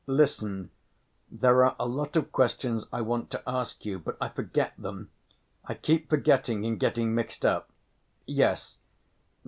"Listen. There are a lot of questions I want to ask you, but I forget them ... I keep forgetting and getting mixed up. Yes.